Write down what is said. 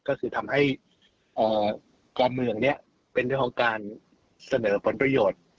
ก็คือทำให้การเมืองนี้เป็นเรื่องของการเสนอผลประโยชน์